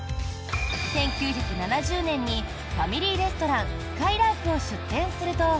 １９７０年にファミリーレストランすかいらーくを出店すると。